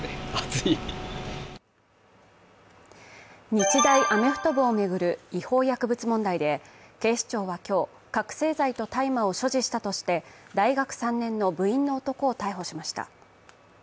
日大アメフト部を巡る違法薬物問題で警視庁は今日、覚醒剤と大麻を所持したとして大学３年の部員の男を逮捕しました。